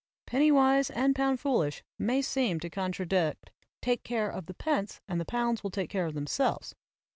"Penny wise and pound foolish" may seem to contradict "take care of the pence and the pounds will take care of themselves."